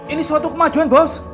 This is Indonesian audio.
ini suatu kemajuan bos